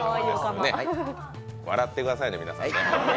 笑ってくださいね皆さん。